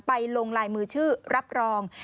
ลงลายมือชื่อรับรอง